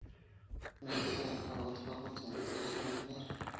En ella se llevan a cabo trabajos de investigación nuclear.